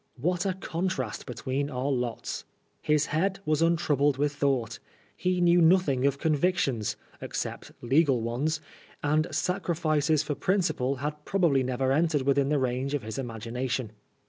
What a contrast between our lots ! His head was un troubled with thought, he knew nothing of convictions (except legal ones), and sacrifices for principle had pro bably never entered within the range of his imagina tion.